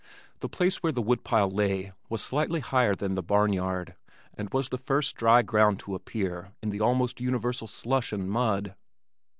The place where the wood pile lay was slightly higher than the barnyard and was the first dry ground to appear in the almost universal slush and mud.